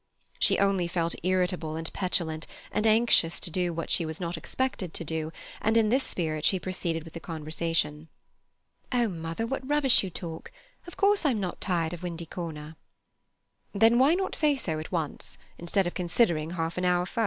She only felt irritable and petulant, and anxious to do what she was not expected to do, and in this spirit she proceeded with the conversation. "Oh, mother, what rubbish you talk! Of course I'm not tired of Windy Corner." "Then why not say so at once, instead of considering half an hour?"